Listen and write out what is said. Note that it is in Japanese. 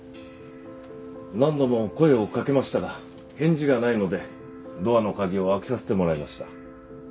何度も声をかけましたが返事がないのでドアの鍵を開けさせてもらいました。